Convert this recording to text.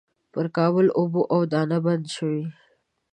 پر کابل اوبه او دانه بنده شوې.